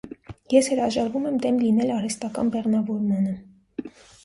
Ես հրաժարվում եմ դեմ լինել արհեստական բեղմնավորմանը։